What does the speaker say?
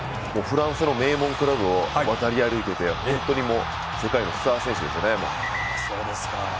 フランスの名門クラブを渡り歩いてて本当に世界のスター選手ですよね。